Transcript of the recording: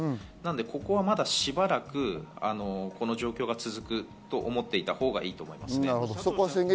ここはまだしばらくこの状況が続くと思っていたほうがいいと思います。